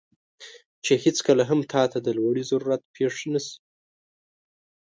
چې هیڅکله هم تاته د لوړې ضرورت پېښ نه شي،